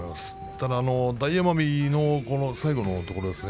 ただ大奄美の最後のところですね